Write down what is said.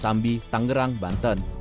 sambi tangerang banten